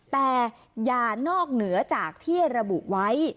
แต่ยานอกเหนือจากที่ระบุไว้